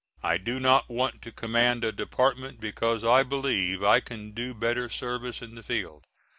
I do not want to command a department because I believe I can do better service in the field.